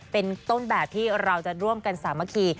เป็นต้นแบบที่เราจะร่วมกันสามัคคี